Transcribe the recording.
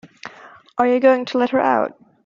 Are you going to let her out?